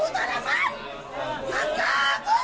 ชาวบ้านก็เรียกความบอกว่าทุกคนมากที่เพิ่งการผลจนไว้